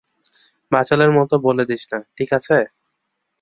বাচালের মতো বলে দিস না, ঠিক আছে?